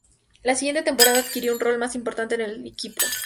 La siguiente temporada adquirió un rol más importante en el equipo.